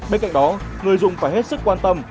bên cạnh đó người dùng phải hết sức quan tâm